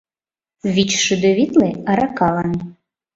Вичшӱдӧ витле — аракалан.